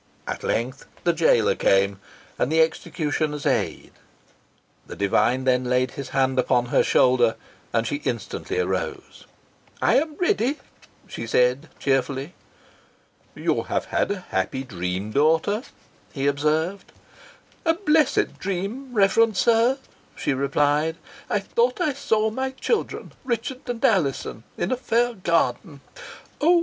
At length the jailer came, and the executioner's aids. The divine then laid his hand upon her shoulder, and she instantly arose. "I am ready," she said, cheerfully. "You have had a happy dream, daughter," he observed. "A blessed dream, reverend sir," she replied. "I thought I saw my children, Richard and Alizon, in a fair garden oh!